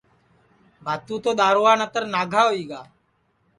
بھاتُو تو دؔارووا ناگا ہوئی گا